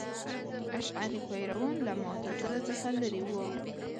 اشعري پیروان له معتزله څخه لرې وو.